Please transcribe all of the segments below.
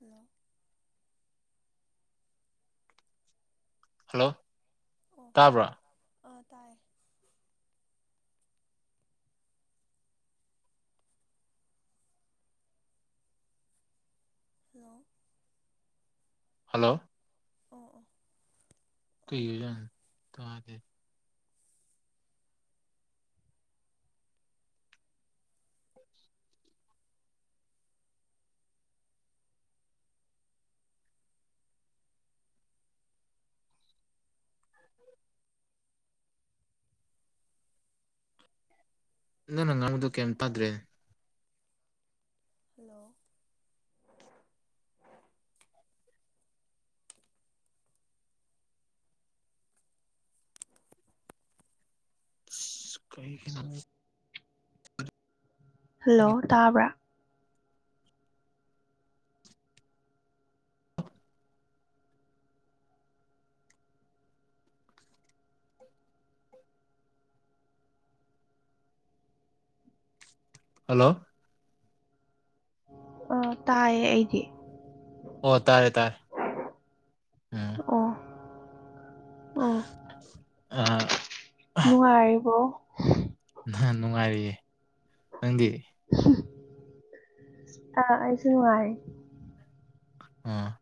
ꯍꯗꯣ ꯍꯜꯂꯣ ꯑꯣ ꯇꯥꯕ꯭ꯔꯥ ꯑꯥ ꯇꯥꯏ ꯍꯂꯣ ꯍꯜꯂꯣ ꯑꯣ ꯑꯣ ꯀꯩꯖꯅ ꯊꯗ ꯅꯪꯅ ꯉꯥꯡꯕꯗꯨ ꯀꯩꯝ ꯇꯥꯗ꯭ꯔꯦ ꯍꯂꯣ ꯀꯩ ꯍꯅꯍ ꯍꯜꯂꯣ ꯇꯥꯕ꯭ꯔꯥ ꯍꯜꯂꯣ ꯇꯥꯏꯌꯦ ꯑꯩꯗꯤ ꯑꯣ ꯇꯥꯔꯦ ꯇꯥꯔꯦ ꯎꯝ ꯑꯣ ꯑꯣ ꯑ ꯅꯉꯥꯏꯔꯤꯕ ꯅ ꯅꯨꯡꯉꯥꯏꯔꯑꯦ ꯅꯪꯗꯤ ꯑꯥ ꯑꯩꯁꯨ ꯅꯨꯡꯉꯥꯏ ꯑ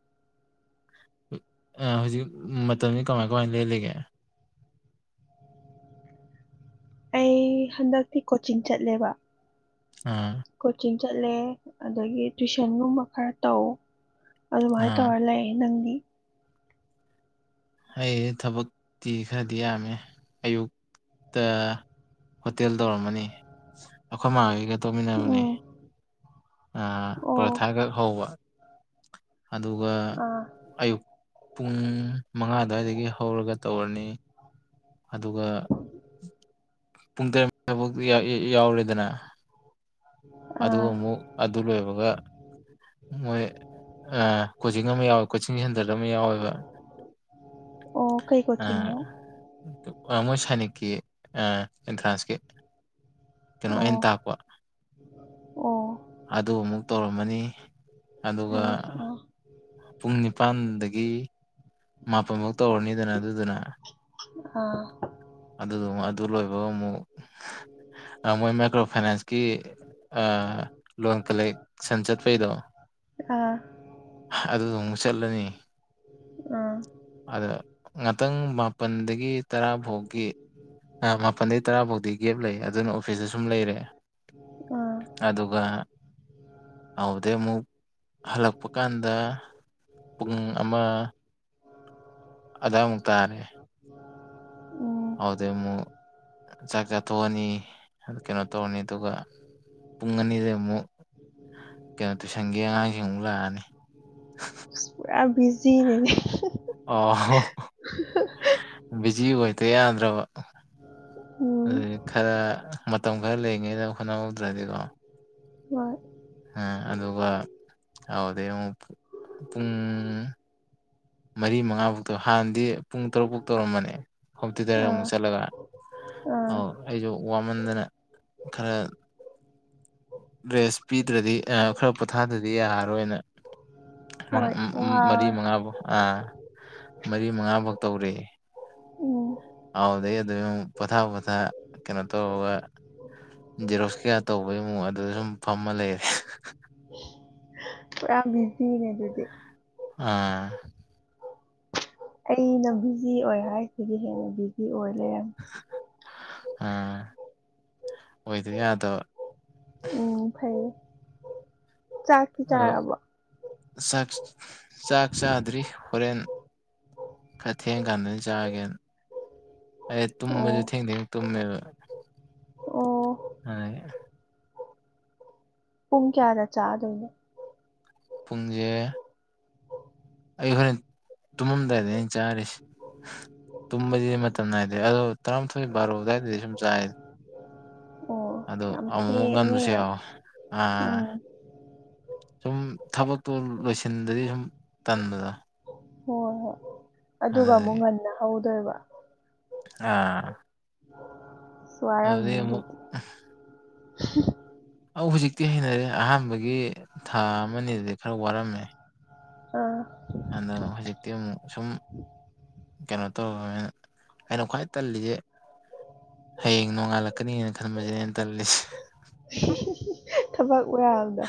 ꯑ ꯍꯧꯖꯤꯛ ꯃꯇꯝꯁꯤ ꯀꯃꯥꯏ ꯀꯃꯥꯏ ꯂꯦꯜꯂꯤꯒꯦ ꯑꯩ ꯍꯟꯗꯛꯇꯤ ꯀꯣꯆꯤꯡ ꯆꯠꯂꯦꯕ ꯑ ꯀꯣꯆꯤꯡ ꯆꯠꯂꯦ ꯑꯗꯒꯤ ꯇꯨꯏꯁꯟꯒꯨꯝꯕ ꯈꯔ ꯇꯧ ꯑꯗꯨ ꯃꯥꯥꯏ ꯑꯥ ꯇꯧꯔꯂꯦ ꯅꯪꯗꯤ ꯑꯩ ꯊꯕꯛꯇꯤ ꯈꯔꯗꯤ ꯌꯥꯝꯃꯦ ꯑꯌꯨꯛꯇ ꯍꯣꯇꯦꯜ ꯇꯧꯔꯝꯃꯅꯤ ꯑꯩꯈꯣꯏ ꯃꯥꯩꯒ ꯇꯧꯃꯤꯟꯅꯕꯅꯦ ꯎꯝ ꯑꯣ ꯄꯔꯊꯥꯈꯛ ꯍꯧꯕ ꯑꯗꯨꯒ ꯑꯥ ꯑꯌꯨꯛ ꯄꯨꯡ ꯃꯉꯥ ꯑꯗꯨꯏꯗꯒꯤ ꯍꯧꯔꯒ ꯇꯧꯔꯅꯤ ꯑꯗꯨꯒ ꯄꯨꯡ ꯇꯔꯦꯠ ꯊꯕ ꯌꯥꯎꯔꯦꯗꯅ ꯑꯗꯨ ꯑꯥ ꯑꯃꯨꯛ ꯑꯗꯨ ꯂꯣꯏꯕꯒ ꯃꯣꯏ ꯀꯣꯆꯤꯡ ꯑꯃ ꯌꯥꯎꯋꯦ ꯀꯣꯆꯤꯡ ꯁꯦꯟꯇꯔꯗ ꯑꯃ ꯌꯥꯎꯋꯦꯕ ꯑꯣ ꯀꯩ ꯀꯣꯆꯤꯡꯤꯡꯅꯣ ꯃꯣꯏ ꯁꯥꯏꯅꯤꯛꯀꯤ ꯑꯦꯟꯇ꯭ꯔꯥꯟꯁꯀꯤ ꯀꯩꯅꯣ ꯑꯣ ꯑꯦꯟꯇꯄ ꯑꯣ ꯑꯗꯨ ꯑꯃꯨꯛ ꯇꯧꯔꯝꯃꯅꯤ ꯑꯗꯨꯒ ꯐꯩꯌꯦ ꯑꯣ ꯄꯨꯡ ꯅꯤꯄꯥꯜꯗꯒꯤ ꯃꯥꯄꯟꯐꯧ ꯇꯧꯔꯅꯤꯗꯅ ꯑꯗꯨꯗꯨꯅ ꯑꯥ ꯑꯗꯨꯗꯨ ꯑꯗꯨ ꯂꯣꯏꯕꯒ ꯑꯃꯨꯛ ꯎꯝ ꯃꯣꯏ ꯃꯥꯏꯀ꯭ꯔꯣ ꯐꯥꯏꯅꯥꯟꯁꯀꯤ ꯂꯣꯟ ꯀꯂꯦꯛꯁꯟ ꯆꯠꯄꯩꯗꯣ ꯑ ꯑꯗꯨꯗ ꯑꯃꯨꯛ ꯆꯠꯂꯅꯤ ꯑ ꯑꯗ ꯉꯥꯛꯇꯪ ꯃꯥꯄꯜꯗꯒꯤ ꯇꯔꯥꯐꯥꯎ ꯃꯥꯄꯜꯗꯒꯤꯩ ꯇꯔꯥ ꯐꯥꯎꯗꯤ ꯒꯦꯞ ꯂꯩ ꯑꯗꯨꯅ ꯑꯣꯐꯤꯁꯇ ꯁꯨꯝ ꯂꯩꯔꯦ ꯑꯥ ꯑꯗꯨꯒ ꯑꯗꯨꯗꯩ ꯑꯃꯨꯛ ꯍꯜꯂꯛꯄ ꯀꯥꯟꯗ ꯄꯨꯡ ꯑꯃ ꯑꯗ ꯑꯃ ꯇꯥꯔꯦ ꯎꯝ ꯑꯗꯨꯥꯎꯗꯤꯩ ꯑꯃꯨꯛ ꯆꯥꯛ ꯆꯥꯊꯣꯛꯑꯅꯤ ꯀꯩꯅꯣ ꯇꯧꯔꯅꯤ ꯑꯗꯨꯒ ꯄꯨꯡ ꯑꯅꯤꯗ ꯑꯃꯨꯛ ꯀꯩꯅꯣ ꯇꯨꯏꯁꯟꯒꯤ ꯑꯉꯥꯡꯁꯤ ꯑꯃꯨꯛ ꯂꯥꯛꯑꯅꯤ ꯄꯨꯔꯥ ꯕꯤꯖꯤꯅꯦꯅꯦ ꯑꯣ ꯠꯇꯦꯗ꯭ꯔꯕ ꯎꯝ ꯑꯗꯨꯗꯤ ꯈꯔ ꯃꯇꯝ ꯈꯔ ꯂꯩꯉꯅ ꯍꯣꯠꯅꯍꯧꯗ꯭ꯔꯗꯤꯀꯣ ꯋꯥ ꯑ ꯑꯗꯨꯒ ꯍꯗꯤ ꯑꯃꯨꯛ ꯄꯨꯡ ꯃꯔꯤ ꯃꯉꯥ ꯐꯧꯛꯇꯧ ꯍꯥꯟꯅꯗꯤ ꯄꯨꯡ ꯇꯔꯨꯛ ꯐꯧ ꯇꯧꯔꯝꯕꯅꯦ ꯍꯇꯗꯔꯦ ꯑꯃꯨꯛ ꯑꯥ ꯆꯠꯂꯒ ꯑꯥ ꯑꯩꯁꯨ ꯋꯥꯃꯟꯗꯅ ꯈꯔ ꯔꯦꯁ ꯄꯤꯗ꯭ꯔꯗꯤ ꯈꯔ ꯄꯣꯊꯥꯗ꯭ꯔꯗꯤ ꯌꯥꯔꯔꯣꯏꯅ ꯍꯣꯏ ꯃꯔꯤ ꯋꯥ ꯃꯉꯥ ꯐꯧ ꯑꯥ ꯃꯔꯤ ꯃꯉꯥ ꯐꯧ ꯇꯧꯔꯤ ꯎꯝ ꯍꯥꯎꯗꯤ ꯑꯗꯨ ꯄꯣꯊꯥ ꯄꯊꯥ ꯀꯩꯅꯣ ꯇꯧꯔꯒ ꯖꯦꯔꯣꯁ ꯀꯌꯥ ꯇꯧꯕꯒꯤ ꯃꯑꯣꯡ ꯑꯗꯨꯗ ꯁꯨꯝ ꯐꯝꯃ ꯂꯩꯔꯦ ꯄꯨꯔꯥ ꯕꯤꯖꯤꯅꯦ ꯑꯗꯨꯗꯤ ꯑꯥ ꯑꯩꯅ ꯕꯤꯖꯤ ꯑꯣꯏ ꯍꯥꯏꯁꯤꯗꯤ ꯍꯦꯟꯅ ꯕꯤꯖꯤ ꯑꯣꯏ ꯂꯩꯔ ꯑꯥ ꯑꯣꯏꯗꯣꯏ ꯑꯗꯣ ꯎ ꯐꯩꯌꯦ ꯆꯥꯛꯁꯤ ꯑꯗꯣ ꯆꯥꯔꯕꯣ ꯆꯥꯛ ꯆꯥꯛ ꯆꯥꯗ꯭ꯔꯤ ꯍꯣꯔꯦꯟ ꯈꯔ ꯊꯦꯡ ꯀꯥꯟꯗꯅꯤ ꯆꯥꯒꯦꯅ ꯑꯩ ꯇꯨꯝꯕꯁꯨ ꯑꯣ ꯊꯦꯡ ꯊꯦꯡ ꯇꯨꯝꯃꯦꯕ ꯑꯣ ꯑꯦ ꯄꯨꯡ ꯀꯌꯥꯗ ꯆꯥꯗꯣꯏꯅꯣ ꯄꯨꯨꯡꯟꯖꯦ ꯑꯩꯈꯣꯏꯅ ꯇꯨꯝꯃꯝꯗꯥꯏꯗ ꯑꯩꯅ ꯆꯥꯔꯤꯁꯦ ꯇꯨꯝꯕꯗꯤꯗꯤ ꯃꯇꯝ ꯅꯥꯏꯗꯦ ꯑꯗꯣ ꯇꯔꯥꯃꯥꯊꯣꯏ ꯕꯥꯔꯣ ꯑꯗꯨꯋꯥꯏꯗꯗꯤ ꯁꯨꯝ ꯆꯥꯏ ꯑꯣ ꯑ ꯌꯥꯝ ꯑꯃꯨꯛꯃꯨꯛ ꯉꯟꯕꯁꯨ ꯊꯦꯡꯉꯦ ꯌꯥꯎ ꯑꯥ ꯎꯝ ꯁꯨꯝ ꯊꯕꯛꯇꯣ ꯂꯣꯏꯁꯤꯟꯗꯗꯤ ꯁꯨꯝ ꯇꯟꯕꯗ ꯍꯣꯏ ꯍꯣꯏ ꯑꯗꯨꯒ ꯑꯃꯨꯛ ꯉꯟꯅ ꯍꯧꯗꯣꯏꯕ ꯑꯥ ꯑꯗꯨꯗꯩ ꯁ꯭ꯋꯥꯔꯝꯅꯤꯗꯤ ꯑꯃꯨꯛ ꯑ ꯍꯧꯖꯤꯛꯇꯤ ꯍꯦꯡꯅꯔꯦ ꯑꯍꯥꯟꯕꯒꯤ ꯊꯥ ꯑꯃꯅꯤꯗꯗꯤ ꯈꯔ ꯋꯥꯔꯝꯃꯦ ꯑꯥ ꯑꯗꯣ ꯍꯧꯖꯤꯛꯇꯤ ꯑꯃꯨꯛ ꯁꯨꯝ ꯀꯩꯅꯣ ꯇꯧ ꯑꯩꯅ ꯈ꯭ꯋꯥꯏ ꯇꯜꯂꯤꯁꯦ ꯍꯌꯦꯡ ꯅꯣꯡꯉꯥꯜꯂꯛꯀꯅꯤꯅ ꯈꯟꯁꯅꯦꯩꯅ ꯇꯜꯂꯤꯁꯦ ꯊꯕꯛ ꯋꯥꯔꯕꯗ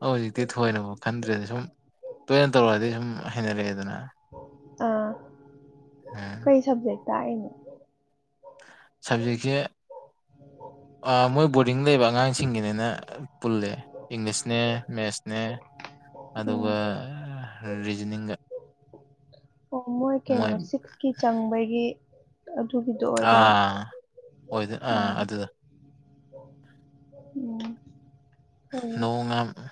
ꯑꯣ ꯍꯧꯖꯤꯛꯇꯤ ꯊꯑꯣꯅꯕ ꯈꯟꯗ꯭ꯔꯦꯗꯤ ꯁꯨꯝ ꯇꯣꯏꯅ ꯇꯧꯔꯛꯑꯗꯤ ꯁꯨꯝ ꯍꯩꯅꯔꯛꯑꯦ ꯑꯗꯨꯅ ꯀꯩ ꯁꯕꯖꯦꯛꯇꯏꯅꯣ ꯁꯖꯤꯒ ꯑꯣ ꯃꯣꯏ ꯕꯣꯔꯗꯤꯡ ꯂꯩꯕ ꯑꯉꯥꯡꯁꯤꯡꯒꯤꯅꯤꯅ ꯄꯨꯜꯂꯦ ꯏꯪꯂꯤꯁꯅꯦ ꯃꯦꯠꯁꯅꯦ ꯎꯝ ꯑꯗꯨꯒ ꯔꯤꯖꯅꯤꯡꯒ ꯑꯣ ꯃꯣꯏ ꯀꯩꯅꯣ ꯁꯤꯛꯁꯀꯤ ꯆꯪꯕꯒꯤ ꯑꯗꯨꯒꯤꯗꯣ ꯑꯣꯏꯗꯣꯏꯔꯥ ꯑꯥ ꯑꯣꯏꯗ ꯑꯥ ꯑꯣ ꯑꯗꯨꯗ ꯍ ꯅꯣꯡ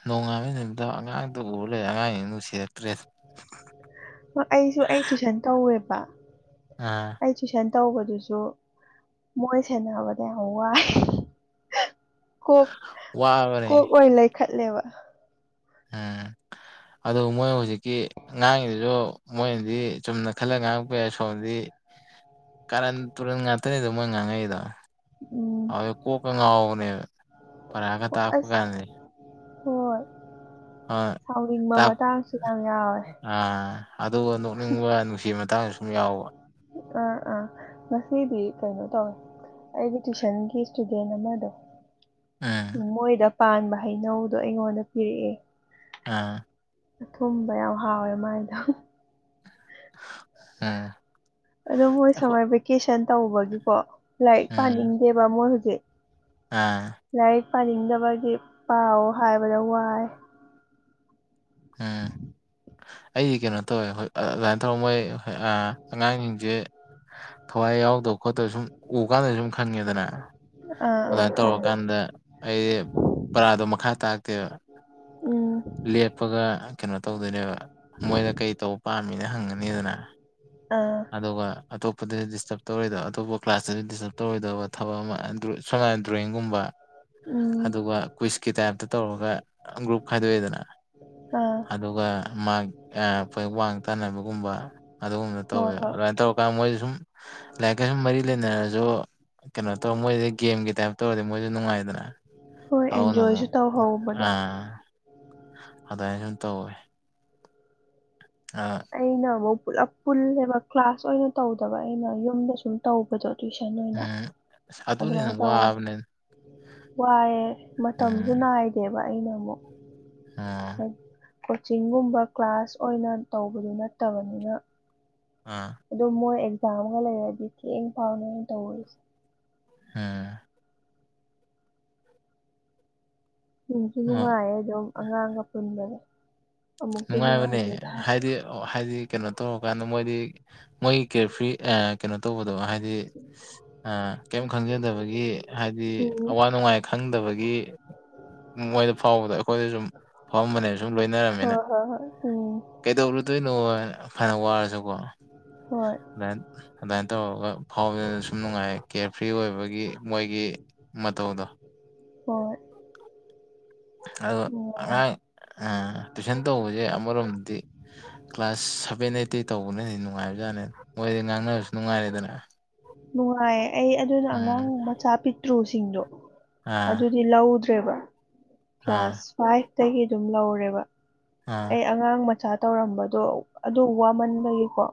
ꯅꯣꯡ ꯉꯥꯃꯤ ꯅꯨꯃꯤꯠꯇ ꯑꯉꯥꯡꯗꯣ ꯎꯔ ꯂꯩꯦ ꯑꯉꯥꯡꯁꯤꯡ ꯅꯨꯡꯁꯤꯔꯛꯇ꯭ꯔꯦ ꯑꯩꯁꯨ ꯑꯩ ꯇꯨꯏꯁꯟ ꯀꯧꯋꯦꯕ ꯑꯥ ꯑꯩ ꯇꯨꯏꯁꯟ ꯇꯧꯕꯗꯨꯁꯨ ꯃꯣꯏ ꯁꯦꯟꯅꯕꯗ ꯌꯥꯝ ꯋꯥꯏ ꯀꯣꯛ ꯋꯥꯕꯅꯦ ꯀꯣꯛ ꯑꯣꯏꯅ ꯂꯩꯈꯠꯂꯦꯕ ꯍꯝ ꯑꯗꯨ ꯃꯣꯏ ꯍꯧꯖꯤꯛꯀꯤ ꯉꯥꯡꯉꯤꯗꯨꯁꯨ ꯃꯣꯏꯅꯗꯤ ꯆꯨꯝꯅ ꯈꯜꯂꯒ ꯉꯥꯡꯉꯛꯄ ꯌꯥꯏ ꯁꯣꯝꯗꯤ [inaudible] ꯀꯔꯟ ꯇꯨꯔꯟ ꯉꯥꯛꯇꯅꯤꯗꯣ ꯃꯣꯏ ꯉꯥꯡꯉꯛꯏꯗꯣ ꯎꯝ ꯑ ꯀꯣꯀ ꯉꯎꯕꯅꯦ ꯐꯔꯒ ꯑꯁ ꯇꯥꯛꯄꯀꯅꯤ ꯍꯣꯏ ꯁꯥꯎꯅꯤꯡꯕ ꯑ ꯃꯇꯥꯡꯁꯨ ꯌꯥꯝ ꯌꯥꯎꯋꯦ ꯑ ꯑꯗꯨꯒ ꯅꯣꯛꯅꯤꯡꯕ ꯅꯨꯡꯁꯤꯕ ꯃꯇꯥꯡꯁꯨ ꯌꯥꯎ ꯑꯥ ꯑꯥ ꯉꯁꯤꯗꯤ ꯀꯩꯅꯣ ꯇꯧꯋꯦ ꯑꯩꯒꯤ ꯇꯨꯏꯁꯟꯒꯤ ꯏꯁꯇꯨꯗꯦꯟ ꯑꯃꯗꯣ ꯎꯝ ꯃꯣꯏꯗ ꯄꯥꯟꯕ ꯍꯩꯅꯧꯗꯣ ꯑꯩꯉꯣꯟꯗ ꯄꯤꯔꯛꯑꯦ ꯑꯥ ꯑꯊꯨꯝꯕ ꯌꯥꯝ ꯍꯥꯎꯋꯦ ꯃꯥꯏꯗ ꯍꯝ ꯑꯣ ꯃꯣꯏ ꯁꯝꯃꯔ ꯚꯦꯀꯦꯁꯟ ꯇꯧꯕꯒꯤꯀꯣ ꯂꯥꯏꯔꯤꯛ ꯎꯝ ꯄꯥꯅꯤꯡꯗꯦꯕ ꯃꯣꯏ ꯍꯧꯖꯤꯛ ꯑꯥ ꯂꯥꯏꯔꯤꯛ ꯄꯥꯅꯤꯡꯗꯕꯒꯤ ꯄꯥꯎ ꯍꯥꯏꯕꯗ ꯋꯥꯏ ꯑꯝ ꯑꯩꯗꯤ ꯀꯩꯅꯣ ꯇꯧꯋꯦ ꯑꯗꯨꯃꯥꯏꯅ ꯇꯧꯔ ꯃꯣꯏ ꯑꯉꯥꯡꯁꯤꯡꯁꯦ ꯊꯋꯥꯏ ꯌꯥꯎꯗꯕ ꯈꯣꯠꯇꯕ ꯁꯨꯝ ꯎ ꯀꯥꯟꯗ ꯁꯨꯝ ꯈꯪꯉꯦꯗꯅ ꯑꯥ ꯑꯥ ꯑꯗꯨꯃꯥꯏꯅ ꯈꯪꯉꯦ ꯇꯧꯔꯀꯥꯟꯗ ꯑꯩ ꯄꯔꯥꯗꯣ ꯃꯈꯥ ꯇꯥꯛꯇꯦꯕ ꯎꯝ ꯂꯦꯞ ꯀꯞꯄꯒ ꯀꯩꯅꯣ ꯇꯧꯗꯣꯏꯅꯦꯕ ꯃꯣꯏꯅ ꯀꯩ ꯇꯧꯕ ꯄꯥꯝꯃꯤꯅ ꯍꯪꯉꯅꯤꯗꯅ ꯑꯥ ꯑꯗꯨꯒ ꯑꯇꯣꯞꯄꯗꯗꯤ ꯗꯤꯁꯇꯔꯕ ꯇꯧꯔꯣꯏꯗꯕ ꯑꯇꯣꯞꯄ ꯀ꯭ꯂꯥꯁꯇꯁꯨ ꯗꯤꯁꯇꯔꯕ ꯇꯧꯔꯣꯏꯗꯕ ꯊꯕꯛ ꯑꯃ ꯁꯉꯥꯏ ꯗ꯭ꯔꯣꯣꯌꯤꯡꯒꯨꯝꯕ ꯎꯝ ꯑꯗꯨꯒ ꯀꯨꯏꯁ ꯀꯤ ꯇꯥꯏꯞꯇ ꯇꯧꯔꯒ ꯒ꯭ꯔꯨꯞ ꯈꯥꯏꯗꯣꯛꯑꯦꯗꯅ ꯑꯥ ꯑꯗꯨꯒ ꯃꯥꯥꯏ ꯐꯣꯏ ꯋꯥꯡ ꯇꯥꯅꯕꯒꯨꯝꯕ ꯑꯗꯨꯒꯨꯝꯕ ꯍꯣꯏ ꯇꯧꯋꯦ ꯍꯣꯏ ꯑꯗꯨꯃꯥꯏꯅ ꯇꯧꯔꯀꯥꯟꯗ ꯃꯣꯏꯁꯨ ꯁꯨꯝ ꯂꯥꯏꯛꯀ ꯁꯨꯝ ꯃꯔꯤ ꯂꯩꯅꯁꯨ ꯀꯩꯅꯣ ꯇꯧꯔ ꯃꯣꯏꯁꯤꯗꯤ ꯒꯦꯝꯒꯤ ꯇꯥꯏꯞ ꯇꯧꯔꯗꯤ ꯃꯣꯏꯁꯨ ꯅꯨꯡꯉꯥꯏꯗꯅ ꯍꯣꯏ ꯑꯅ ꯑꯦꯟꯖꯣꯏꯁꯨ ꯇꯧꯍꯧꯕꯗꯣ ꯑ ꯑꯗꯨꯥꯏ ꯁꯨꯝ ꯇꯧꯋꯦ ꯑꯥ ꯑꯩꯅꯕꯨꯧ ꯄꯨꯂꯞ ꯄꯨꯜꯂꯦꯕ ꯀ꯭ꯂꯥꯁ ꯑꯣꯏꯅ ꯇꯧꯗꯕ ꯑꯩꯅ ꯌꯨꯝꯗ ꯁꯨꯝ ꯇꯧꯕꯗꯣ ꯇ꯭ꯨꯋꯏꯤꯁꯟ ꯑꯣꯏꯅ ꯎꯝ ꯑꯗꯨꯅ ꯍꯦꯟꯅ ꯑꯗꯨꯃꯥꯏꯅ ꯇꯧꯋꯦ ꯋꯥꯕꯅꯦ ꯋꯥꯏꯑꯦ ꯃꯇꯝꯁꯨ ꯎꯝ ꯅꯥꯏꯗꯦꯕ ꯑꯩꯅ ꯑꯃꯨꯛ ꯑꯥ ꯀꯣꯆꯤꯡꯒꯨꯝꯕ ꯀ꯭ꯂꯥꯁ ꯑꯣꯏꯅ ꯇꯧꯕꯗꯨ ꯅꯠꯇꯕꯅꯤꯅ ꯑꯥ ꯑꯗꯨꯣ ꯃꯣꯏ ꯑꯦꯛꯖꯥꯝꯒ ꯂꯩꯔꯗꯤ ꯊꯦꯡ ꯐꯥꯎꯅ ꯑꯩꯅ ꯇꯧꯔꯤꯁꯦ ꯑꯥ ꯅꯨꯡꯁꯨ ꯑꯥ ꯅꯨꯡꯉꯥꯏꯌꯦ ꯑꯗꯨꯝ ꯑꯉꯥꯡꯒ ꯄꯨꯟꯕꯗ ꯅꯨꯡꯉꯥꯏꯕꯅꯦ ꯇꯥꯔꯁꯨ ꯍꯥꯏꯗꯤ ꯍꯥꯏꯗꯤ ꯀꯩꯅꯣ ꯇꯧꯔꯀꯥꯟꯗ ꯃꯣꯏꯗꯤ ꯃꯣꯏꯒꯤ ꯀꯦꯌꯔ ꯐ꯭ꯔꯤ ꯀꯩꯅꯣ ꯇꯧꯕꯗꯣ ꯍꯥꯏꯗꯤ ꯀꯩꯝ ꯈꯪꯖꯗꯕꯒꯤ ꯍꯥꯏꯗꯤ ꯍꯥꯏꯗꯤ ꯎꯝ ꯑꯋꯥ ꯅꯨꯡꯉꯥꯏ ꯈꯪꯗꯕꯒꯤ ꯃꯣꯏꯗ ꯐꯥꯎꯕꯗ ꯑꯩꯈꯣꯏꯗ ꯁꯨꯝ ꯐꯝꯕꯅꯦꯁꯨ ꯁꯨꯝ ꯂꯣꯏꯅꯔꯝꯃꯤꯅ ꯍꯣꯏ ꯍꯣꯏ ꯍꯣꯏ ꯎꯝ ꯀꯩꯗꯧꯔꯨꯗꯣꯏꯅꯣ ꯐꯅ ꯋꯥꯔꯁꯨꯀꯣ ꯍꯣꯏ ꯑꯗꯨꯃ ꯑꯗꯨꯃꯥꯏꯅ ꯇꯧꯔꯒ ꯐꯥꯎꯕꯅ ꯁꯨꯝ ꯅꯨꯡꯉꯥꯏ ꯀꯦꯌꯔ ꯐ꯭ꯔꯤ ꯑꯣꯏꯕꯒꯤ ꯃꯣꯏꯒꯤ ꯃꯇꯧꯗꯣ ꯑꯣ ꯑ ꯑꯉꯥꯡ ꯇꯨꯏꯁꯟ ꯇꯧꯕꯁꯦ ꯑꯃꯔꯣꯝꯗꯤ ꯀ꯭ꯂꯥꯁ ꯁꯚꯦꯟ ꯑꯩꯠꯇꯇꯩ ꯇꯧꯕꯅꯦꯅꯗꯤ ꯅꯨꯡꯉꯥꯏꯕꯖꯥꯠꯅꯦ ꯃꯣꯏꯗꯤ ꯉꯥꯡꯅꯕꯁꯨ ꯅꯨꯡꯉꯥꯏꯔꯦꯗꯅ ꯅꯨꯡꯉꯥꯏꯌꯦ ꯑꯩ ꯑꯗꯨꯅ ꯑꯉꯥꯡ ꯎꯝ ꯃꯆꯥ ꯄꯤꯛꯇ꯭ꯔꯨꯁꯤꯡꯗꯣ ꯑꯥ ꯑꯗꯨꯗꯤ ꯂꯧꯗ꯭ꯔ ꯑꯥ ꯀ꯭ꯂꯥꯁ ꯐꯥꯏꯚꯇꯒꯤ ꯑꯗꯨꯝ ꯂꯧꯔꯦꯕ ꯑꯥ ꯑꯩ ꯑꯉꯥꯡ ꯃꯆꯥ ꯇꯧꯔꯝꯕꯗꯣ ꯑꯗꯨ ꯋꯥꯃꯟꯕꯒꯤꯀꯣ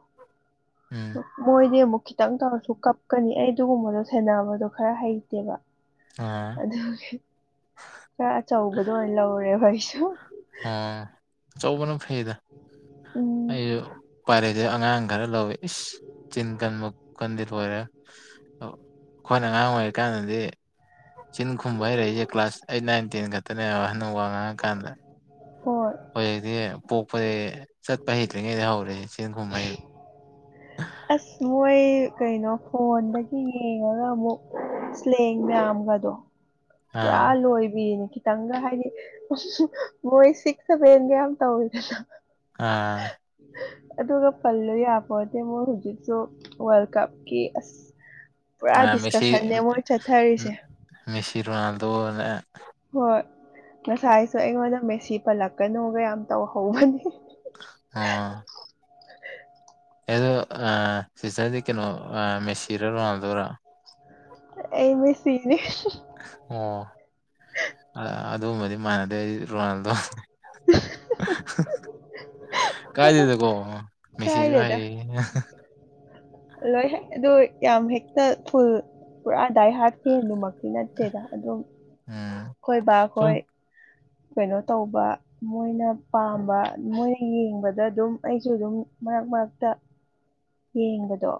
ꯎꯝ ꯃꯣꯏꯗꯤ ꯑꯃꯨꯛ ꯈꯤꯇꯪ ꯇꯧꯔꯁꯨ ꯀꯞꯀꯅꯤ ꯑꯩ ꯑꯗꯨꯒꯨꯝꯕꯗꯣ ꯁꯦꯅꯕꯗꯣ ꯈꯔ ꯍꯩꯇꯦꯕ ꯑꯥ ꯑꯦ ꯈꯔ ꯑꯆꯧꯕꯗꯣ ꯑꯣꯏꯅ ꯂꯧꯔꯦ ꯍꯣꯏ ꯑꯣ ꯑꯆꯧꯕꯅ ꯐꯩꯗ ꯎꯝ ꯑꯩꯁꯨ ꯄꯥꯏꯔꯛꯁꯦ ꯑꯉꯥꯡ ꯈꯔ ꯂꯧꯋꯦ ꯏꯁ ꯆꯤꯟ ꯀꯟ ꯃ ꯀꯟ ꯏꯔꯔꯕꯔꯦ ꯑꯩꯈꯣꯏꯅ ꯑꯉꯥꯡ ꯑꯣꯏꯔꯤꯀꯥꯟꯗꯗꯤ ꯆꯤꯟ ꯈꯨꯝꯕ ꯍꯩꯔꯛꯏꯁꯦ ꯀ꯭ꯂꯥꯁ ꯑꯩꯠ ꯅꯥꯏꯟ ꯇꯦꯟ ꯈꯛꯇꯅꯦꯕ ꯋꯥꯍꯟꯅ ꯋꯥ ꯉꯥꯡꯉꯀꯥꯟꯗ ꯍꯣꯏ ꯍꯧꯖꯤꯛꯇꯤ ꯄꯣꯛꯄꯗꯤ ꯆꯠꯄ ꯍꯩꯇ꯭ꯔꯤꯉꯩꯗ ꯍꯧꯔꯦ ꯏꯦꯟ ꯀꯨꯝꯍꯩ ꯑꯁ ꯃꯣꯏ ꯀꯩꯅꯣ ꯐꯣꯟꯗꯒꯤ ꯌꯦꯡꯉꯒ ꯑꯃꯨꯛ ꯁꯦꯡ ꯃꯌꯥꯝ ꯗꯣ ꯄꯨꯔꯥ ꯑꯥ ꯂꯣꯏꯕꯤꯅꯦ ꯈꯤꯇꯪꯒ ꯍꯥꯏꯗꯤ ꯃꯣꯏ ꯁꯤꯛꯁ ꯁꯚꯦꯟꯒ ꯌꯥꯝ ꯇꯧꯔꯤꯗꯅ ꯑꯥ ꯑꯗꯨꯒ ꯄꯜꯂꯨ ꯌꯥꯕꯗꯤ ꯃ ꯍꯧꯖꯤꯛꯁꯨ ꯋꯥꯔꯜ ꯀꯞꯀꯤ ꯑꯁ ꯄꯨꯔꯥ ꯑꯥ ꯃꯦꯁꯤ ꯗꯤꯁꯀꯁꯟꯅꯦ ꯃꯣꯏ ꯆꯠꯊꯔꯤꯁꯦ ꯆꯤꯔꯣꯅꯥꯗꯣꯅ ꯍꯣꯏ ꯉꯁꯥꯏꯁꯨ ꯑꯩꯉꯣꯟꯗ ꯃꯦꯁꯤ ꯄꯜꯂꯛꯀꯅꯨꯒ ꯌꯥꯝ ꯇꯧꯍꯧꯕꯅꯤ ꯑꯥ ꯑꯗꯣ ꯁꯤꯗꯗꯤ ꯀꯩꯅꯣ ꯃꯦꯁꯤꯔ ꯂꯣꯗꯣꯏꯔꯥ ꯑꯦꯃꯦꯁꯤ ꯑꯣ ꯑꯗꯨꯒꯨꯝꯕꯗꯤ ꯃꯥꯟꯅꯗꯦ ꯑꯩ ꯔꯣꯅꯥꯜꯗꯣ [inaudible] ꯀꯥꯏ ꯗꯗ ꯀꯣ ꯃꯤꯁꯤꯖ ꯍꯥꯏ ꯀꯥꯏꯗꯦꯗ ꯂꯣꯏ ꯍꯦꯛ ꯑꯗꯨ ꯌꯥꯝ ꯍꯦꯛꯇ ꯐꯨꯜ ꯄꯨꯔꯥ ꯥꯏ ꯍꯥꯠꯀꯦ ꯑꯗꯨꯃꯀꯤꯤ ꯅꯠꯇꯦꯗ ꯑꯗꯨꯝ ꯎꯝ ꯑꯩꯣꯏ ꯁꯨꯝ ꯑꯩꯣꯏ ꯀꯩꯅꯣ ꯇꯧꯕ ꯃꯣꯏꯅ ꯄꯥꯝꯕ ꯃꯣꯏꯅ ꯌꯦꯡꯕꯗ ꯑꯗꯨꯝ ꯑꯩꯁꯨ ꯑꯗꯨꯝ ꯃꯔꯛ ꯃꯔ ꯌꯦꯡꯕꯗꯣ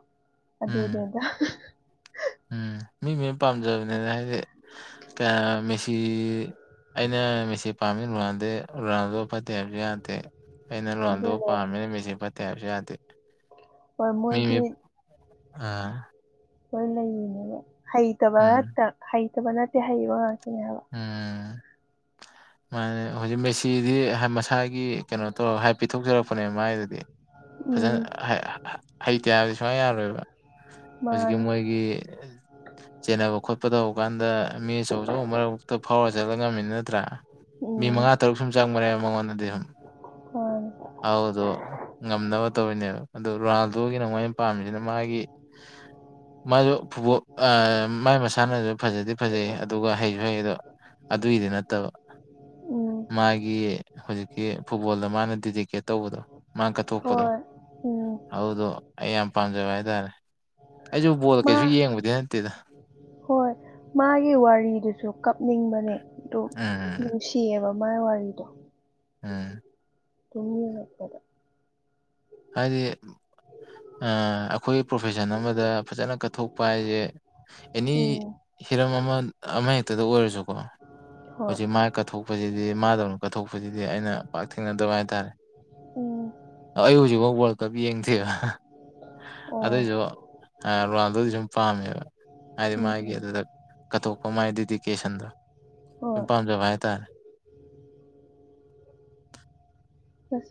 ꯎꯝ ꯑꯗꯨꯗꯨꯗ ꯎꯝ ꯃꯤ ꯃꯌꯥꯝ ꯄꯥꯝꯖꯕꯅꯤꯅ ꯍꯥꯏꯗꯤ ꯃꯦꯁꯤ ꯑꯩꯅ ꯃꯤꯦꯁꯤ ꯄꯥꯝꯃꯤ ꯔꯨꯔꯥꯟꯗꯦ ꯔꯥꯟꯗꯣ ꯐꯠꯇꯦ ꯍꯥꯏꯕꯁꯨ ꯌꯥꯗꯦ ꯑꯩꯅ ꯂꯣꯟꯗꯨ ꯑꯗꯨꯅꯦ ꯄꯥꯝꯃꯤꯅ ꯃꯤꯦꯁꯤ ꯐꯠꯇꯦ ꯍꯥꯏꯕꯁꯨ ꯌꯥꯗꯦ ꯃꯤ ꯃꯤ ꯃꯣꯏꯒꯤ ꯑꯥ ꯂꯣꯏ ꯂꯩꯔꯤꯅꯦꯕ ꯍꯩꯇꯕ ꯎꯝ ꯉꯇ ꯍꯩꯇꯕ ꯅꯠꯇꯦ ꯍꯩꯕ ꯉꯥꯛꯇꯅꯦ ꯍꯥꯏꯕ ꯎꯝ ꯃꯥ ꯍꯧꯖꯤꯛ ꯃꯦꯁꯤꯗꯤ ꯃꯁꯥꯒꯤ ꯀꯩꯅꯣ ꯇꯧꯔ ꯍꯥꯏ ꯄꯤꯊꯣꯛꯆꯔꯛꯄꯅꯦ ꯃꯥꯏꯗꯨꯗꯤ ꯐꯖꯅ ꯎꯝ ꯍꯩꯇꯦ ꯍꯥꯏꯕꯗꯤ ꯁꯨꯡꯌꯥ ꯌꯥꯔꯔꯣꯏꯕ ꯍꯧꯖꯤꯛꯀꯤ ꯃꯥꯅꯤ ꯃꯣꯏꯒꯤ ꯆꯦꯟꯅꯕ ꯈꯣꯠꯄ ꯇꯧꯕ ꯀꯥꯟꯗ ꯃꯤ ꯑꯆꯧ ꯑꯆꯧꯧꯕ ꯃꯔꯛꯇ ꯐꯥꯎꯔ ꯆꯠꯂ ꯉꯝꯃꯤꯅ ꯅꯠꯇ꯭ꯔꯥ ꯃꯤ ꯎꯝ ꯃꯉꯥ ꯇꯔꯨꯛ ꯁꯨꯝ ꯆꯥꯡ ꯃꯏ ꯃꯉꯣꯟꯗ ꯗꯦꯍꯨꯝ ꯍ ꯑꯥꯎꯗꯣ ꯉꯝꯅꯕ ꯇꯧꯔꯤꯅꯦꯕ ꯑꯣ ꯔꯣꯅꯥꯜꯗꯣꯒꯤ ꯅꯉꯩꯅ ꯄꯥꯝꯃꯤꯁꯤꯅ ꯃꯥꯒꯤ ꯃꯥꯁꯨ ꯐꯨꯠꯕꯣꯜ ꯃꯥꯏ ꯃꯁꯥꯟꯅꯁꯨ ꯐꯖꯗꯤ ꯐꯖꯩ ꯑꯗꯨꯒ ꯍꯩꯁꯨ ꯍꯩꯗꯣ ꯑꯗꯨ ꯑꯗꯨ ꯏ ꯅꯠꯇꯕ ꯑꯣ ꯃꯥꯒꯤ ꯍꯧꯖꯤꯛꯀꯤ ꯐꯨꯠꯕꯣꯜꯗ ꯃꯥꯅ ꯗꯗꯤꯗꯤꯀꯦꯠ ꯇꯧꯕꯗꯣ ꯃꯥꯅ ꯀꯠꯊꯣꯛꯄꯗꯣ ꯍꯣꯏ ꯎꯝ ꯑꯗꯨꯗꯣ ꯑꯩ ꯌꯥꯝ ꯄꯥꯝꯖꯕ ꯍꯥꯏꯇꯥꯔꯦ ꯑꯩꯁꯨ ꯕꯣꯜ ꯀꯩꯁꯨ ꯃꯥ ꯌꯦꯡꯕꯗꯤ ꯅꯠꯇꯦ ꯍꯣꯏ ꯃꯥꯒꯤ ꯋꯥꯔꯤꯗꯨꯁꯨ ꯀꯞꯅꯤꯡꯕꯅꯦ ꯑꯗꯨ ꯎꯝ ꯅꯨꯡꯁꯤꯌꯦꯕ ꯃꯥꯏ ꯋꯥꯔꯤꯗꯣ ꯑꯝ ꯇꯨꯡꯟꯒꯄꯗ ꯍꯥꯏꯗꯤ ꯑꯩꯈꯣꯏꯒꯤ ꯄ꯭ꯔꯣꯐꯦꯁꯟ ꯑꯃꯗ ꯐꯖꯅ ꯀꯠꯊꯣꯛꯄ ꯍꯥꯏꯁꯦ ꯑꯦꯅꯤ ꯎꯝ ꯍꯤꯔꯝ ꯑꯃ ꯑꯃꯍꯦꯛꯇꯗ ꯑꯣꯏꯔꯁꯨꯀꯣ ꯍꯣꯏ ꯍꯧꯖꯤꯛ ꯃꯥꯏ ꯀꯠꯊꯣꯛ ꯄꯁꯤꯗꯤ ꯃꯥꯗꯧꯅ ꯀꯠꯊꯣꯛꯄꯁꯤꯗꯤ ꯑꯩꯅ ꯄꯥꯛ ꯊꯦꯡꯅꯗꯕ ꯍꯥꯏꯇꯥꯔꯦ ꯎꯝ ꯑꯩ ꯍꯧꯖꯤꯛ ꯖꯤꯐ ꯋꯥꯔꯛꯇ ꯌꯦꯡꯊꯦꯕ ꯑꯣ ꯑꯗꯨꯏꯁꯨ ꯔꯨꯜꯗꯨꯗꯤ ꯁꯨꯝ ꯄꯥꯝꯃꯦꯕ ꯍꯥꯏꯗꯤ ꯎꯝ ꯃꯥꯒꯤ ꯎꯝ ꯑꯗꯨꯗ ꯀꯠꯊꯣꯛꯄ ꯃꯥꯏꯗꯨꯗꯤ ꯀꯦꯁꯟꯗ꯭ꯔ ꯁꯨꯝ ꯍꯣꯏ ꯄꯥꯝꯖꯕ ꯍꯥꯏꯇꯥꯔꯦ [inaudible]